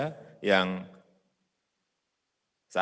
saat ini yang diperlukan adalah perkembangan media sosial